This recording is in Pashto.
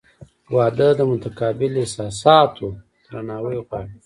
• واده د متقابل احساساتو درناوی غواړي.